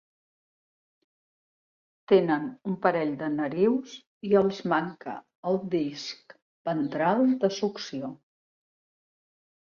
Tenen un parell de narius i els manca el disc ventral de succió.